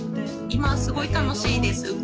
今すごい楽しいです。